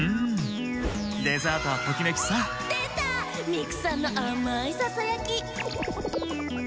ミクさんのあまいささやき！